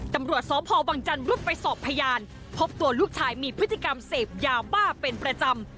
ตำรวจสพวังจันทร์รุดไปสอบพยานพบตัวลูกชายมีพฤติกรรมเสพยาบ้าเป็นประจำ